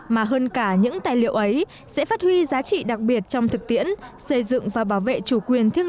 mà hơn cả những tài liệu ấy sẽ phát huy giá trị đặc biệt trong thực tiễn xây dựng và bảo vệ chủ quyền thương